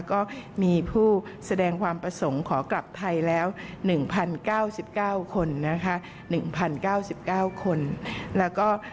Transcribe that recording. ก็มีผู้แสดงความประสงค์ขอกลับไทยแล้ว๑๐๙๙คนนะคะ๑๐๙๙คนแล้วก็